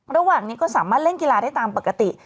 ระหว่างนี้ก็สามารถเล่นกีฬาได้ตามปกติ